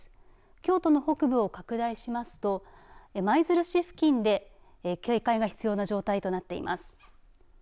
京都の北部を拡大しますと舞鶴市付近で警戒が必要な状態となっています。